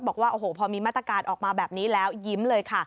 บอกว่าโอ้โหพอมีมาตรการออกมาแบบนี้แล้วยิ้มเลยค่ะ